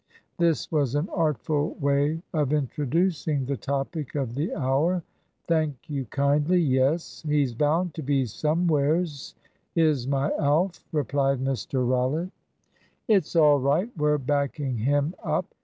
This was an artful way of introducing the topic of the hour. "Thank you kindly, yes. He's bound to be somewheres, is my Alf," replied Mr Rollitt. "It's all right; we're backing him up.